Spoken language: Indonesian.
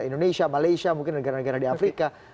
indonesia malaysia mungkin negara negara di afrika